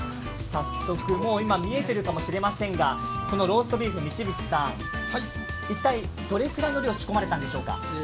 今、見えてるかもしれませんが、このローストビーフ、一体どれくらい仕込まれたんでしょうか？